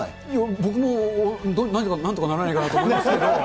僕もなんとかならないかなと思うんですけど。